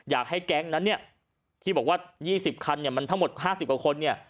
อยากให้แก๊งนั้นเนี่ยที่บอกว่า๒๐คันเนี่ยมันทั้งหมด๕๐กว่าคนเนี่ย